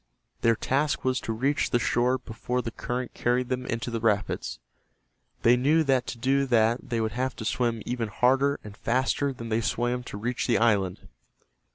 Their task was to reach the shore before the current carried them into the rapids. They knew that to do that they would have to swim even harder and faster than they swam to reach the island.